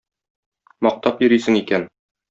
Мактап йөрисең икән.